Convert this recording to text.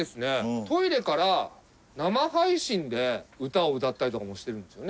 トイレから生配信で歌を歌ったりとかもしてるんですよね？